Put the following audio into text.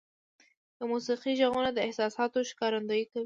• د موسیقۍ ږغونه د احساساتو ښکارندویي کوي.